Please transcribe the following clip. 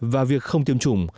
và việc không tiêm chủng